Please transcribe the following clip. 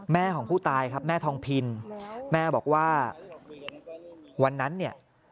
แม่ของผู้ตายครับแม่ทองพินแม่บอกว่าวันนั้นเนี่ย